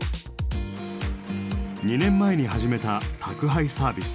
２年前に始めた宅配サービス。